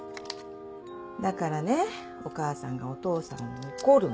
だからねお母さんがお父さんを怒るの。